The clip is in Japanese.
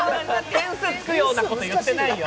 点数つくようなこと言ってないよ。